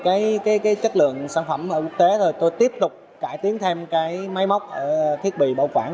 cái chất lượng sản phẩm ở quốc tế rồi tôi tiếp tục cải tiến thêm cái máy móc thiết bị bảo quản